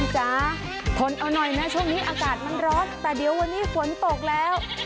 จ๊ะทนเอาหน่อยนะช่วงนี้อากาศมันร้อนแต่เดี๋ยววันนี้ฝนตกแล้ว